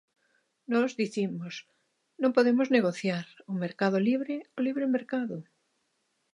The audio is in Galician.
Nós dicimos: non podemos negociar, o mercado libre, o libre mercado.